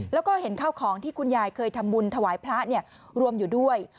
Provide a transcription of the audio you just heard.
แล้วก็เห็นข้าวของที่คุณยายเคยทำบุญถวายพระรวมอยู่ด้วย